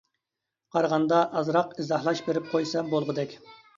قارىغاندا ئازراق ئىزاھلاش بېرىپ قويسام بولغۇدەك.